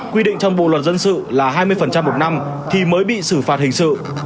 quy định trong bộ luật dân sự là hai mươi một năm thì mới bị xử phạt hình sự